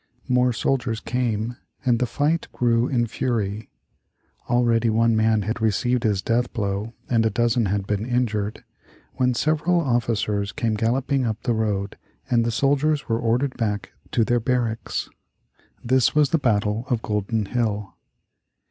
More soldiers came and the fight grew in fury. Already one man had received his death blow and a dozen had been injured, when several officers came galloping up the road and the soldiers were ordered back to their barracks. This was the battle of Golden Hill.